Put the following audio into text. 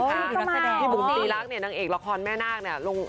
แล้วก็มาเหรอพี่บุ๋มตีรักเนี่ยนางเอกละครแม่นาคเนี่ย